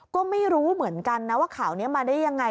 ก็ไม่รู้เหมือนกันนะว่าข่าวนี้มาได้ยังไง